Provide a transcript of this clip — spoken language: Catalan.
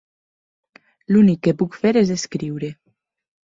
L'únic que puc fer és escriure.